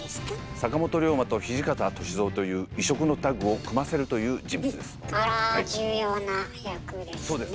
坂本龍馬と土方歳三という異色のタッグを組ませるという人物です。